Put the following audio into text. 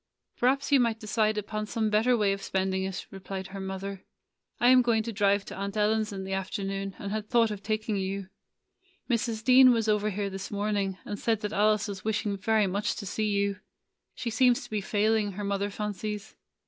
"Perhaps you might decide upon some bet ter way of spending it," replied her mother. "I am going to drive to Aunt Ellen's in the afternoon, and had thought of taking you. Mrs. Dean was over here this morning, and said that Alice was wishing very much to see you. She seems to be failing, her mother fancies.